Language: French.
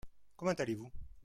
Comment allez-vous ?